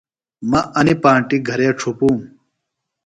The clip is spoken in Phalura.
مہ انیۡ پانٹیۡ گھرے ڇھُپوم۔